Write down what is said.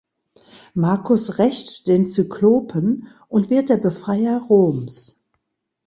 Marcus rächt den Zyklopen und wird der Befreier Roms.